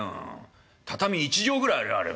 畳１畳ぐらいあるよあれ。